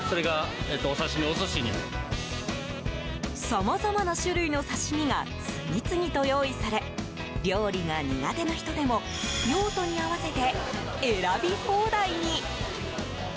さまざまな種類の刺し身が次々と用意され料理が苦手な人でも用途に合わせて選び放題に。